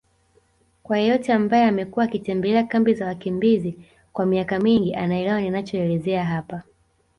Kwa yeyote ambaye amekuwa akitembelea kambi za wakimbizi kwa miaka mingi anaelewa ninachoelezea hapa